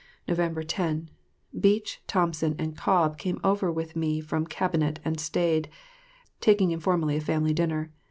November 10 ... Beach, Thompson, and Cobb came over with me from Cabinet and staid, taking informally a family dinner.